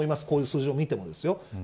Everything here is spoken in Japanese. こういう数字を見てもですよ。